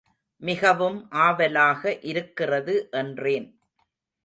மிகவும் ஆவலாக இருக்கிறது என்றேன்.